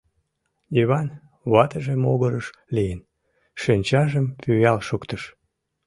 Йыван, ватыже могырыш лийын, шинчажым пӱял шуктыш.